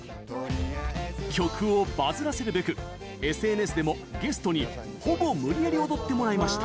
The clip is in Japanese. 曲をバズらせるべくＳＮＳでもゲストにほぼ無理やり踊ってもらいました。